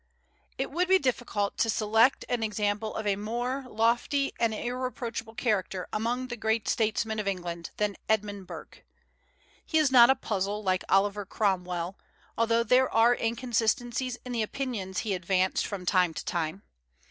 It would be difficult to select an example of a more lofty and irreproachable character among the great statesmen of England than Edmund Burke. He is not a puzzle, like Oliver Cromwell, although there are inconsistencies in the opinions he advanced from time to time.